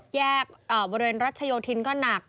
แยกบริเวณรัชโยธินก็หนัก